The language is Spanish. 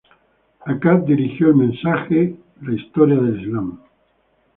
Akkad dirigió ""El mensaje: La historia del Islam"".